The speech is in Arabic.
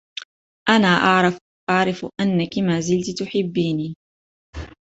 أنا أعرف أنكِ ما زلتِ تحبيني.